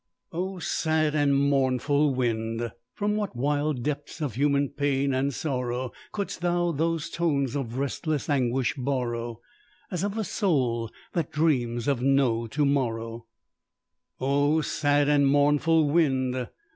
"O sad and mournful wind! From what wild depths of human pain and sorrow Could'st thou those tones of restless anguish borrow As of a soul that dreams of no to morrow, O sad and mournful wind!